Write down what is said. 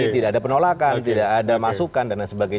tidak ada penolakan tidak ada masukan dan lain sebagainya